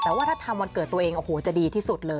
แต่ว่าถ้าทำวันเกิดตัวเองโอ้โหจะดีที่สุดเลย